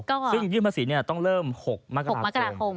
โอ้โหซึ่งยืมภาษีต้องเริ่ม๖มกราคม